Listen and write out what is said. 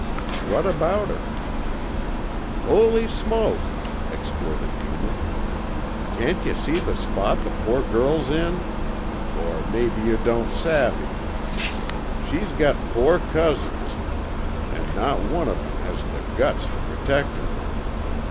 "What about her?" "Holy smoke!" exploded Yuma, "Can't yuh see the spot the poor girl's in? Or maybe yuh don't savvy. She's got four cousins, an' not one of 'em has the guts tuh protect her.